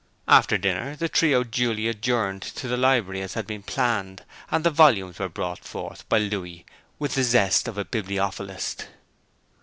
After dinner the trio duly adjourned to the library as had been planned, and the volumes were brought forth by Louis with the zest of a bibliophilist.